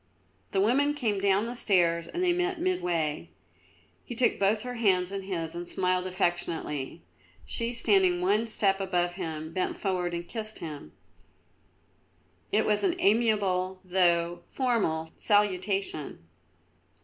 The woman came down the stairs and they met midway. He took both her hands in his and smiled affectionately; she, standing one step above him, bent forward and kissed him. It was an amiable, though formal, salutation.